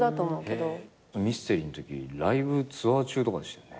『ミステリ』のときライブツアー中とかでしたよね？